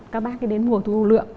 các bác đến mùa thu lượm